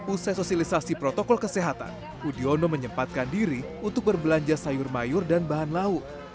usai sosialisasi protokol kesehatan udiono menyempatkan diri untuk berbelanja sayur mayur dan bahan lauk